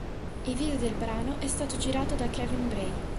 Il video del brano è stato girato da Kevin Bray.